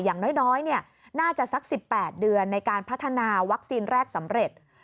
อย่างน้อยน่าจะสัก๑๘เดือนในการพัฒนาวัคซีนแรกสำเร็จ